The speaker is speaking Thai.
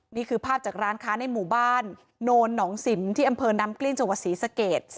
นี่คือภาพจากร้านค้าในหมู่บ้านโนนหนองสิมที่อำเภอน้ำกลิ้งจังหวัดศรีสเกต